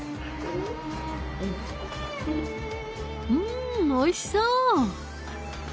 んおいしそう！